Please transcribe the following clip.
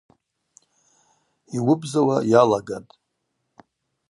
Йуыбзауа йалагатӏ.